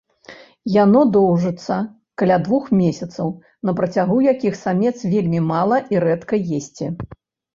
Яно доўжыцца каля двух месяцаў, на працягу якіх самец вельмі мала і рэдка есці.